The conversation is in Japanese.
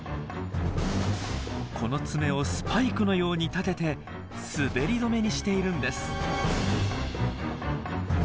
この爪をスパイクのように立てて滑り止めにしているんです。